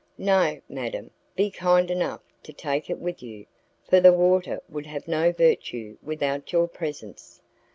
"No, madam, be kind enough to take it with you, for the water would have no virtue without your presence."